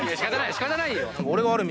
仕方ないよ。